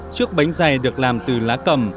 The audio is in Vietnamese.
trước bánh giày được làm từ lá cầm